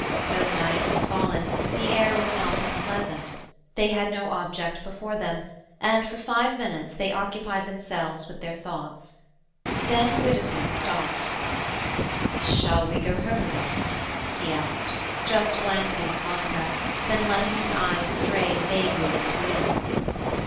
Though night had fallen, the air was not unpleasant; they had no object before them, and for five minutes they occupied themselves with their thoughts. Then Widdowson stopped. "Shall we go home again?" he asked, just glancing at Monica, then letting his eyes stray vaguely in the gloom.